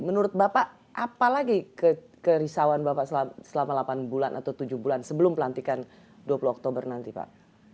menurut bapak apa lagi kerisauan bapak selama delapan bulan atau tujuh bulan sebelum pelantikan dua puluh oktober nanti pak